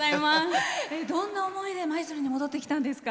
どんな思いで、舞鶴に戻ってきたんですか？